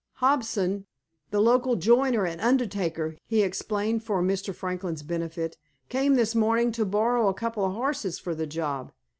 "Hobson—the local joiner and undertaker"—he explained for Mr. Franklin's benefit—"came this morning to borrow a couple of horses for the job.